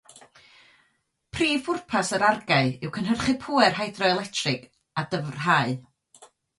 Prif bwrpas yr argae yw cynhyrchu pŵer hydro-electrig a dyfrhad.